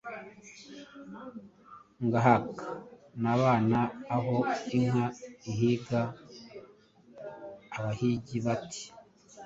ngahac nabona aho inka ihiga “! Abahigi bati “